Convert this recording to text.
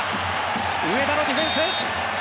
上田のディフェンス。